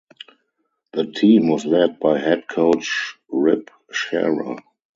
The team was led by head coach Rip Scherer.